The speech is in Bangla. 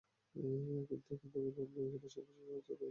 কিন্তু যখন দেখলাম এটা নিয়ে সমালোচনা হচ্ছে, তখন বন্ধ করে দিয়েছি।